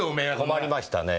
困りましたね。